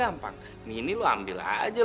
ya salah sendiri